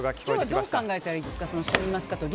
今日はどう考えたらいいですか？